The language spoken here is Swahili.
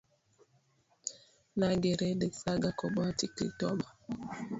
Nage Rede Saga koboa Tikri Tobo Ukuti ukuti Blingo bayoyo Visoda Wino na kadhalika